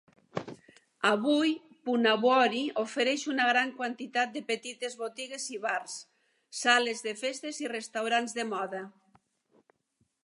Avui, Punavuori ofereix una gran quantitat de petites botigues i bars, sales de festes i restaurants de moda.